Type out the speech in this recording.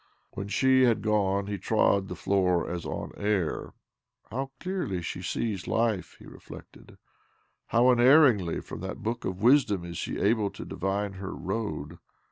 ..." When she had gone he trod the floor as on air. " How clearly she sees life I " he reflected. " How unerringly from that book of wisdom is she able to divine her road